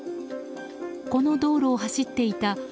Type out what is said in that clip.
この道路を走っていた